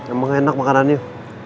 emang enak makannya